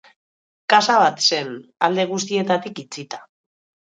Kaxa bat zen, alde guztietatik itxia.